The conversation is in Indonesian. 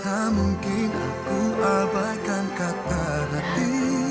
tidak mungkin aku abalkan kata nemin